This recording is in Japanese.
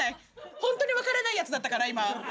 本当に分からないやつだったから今。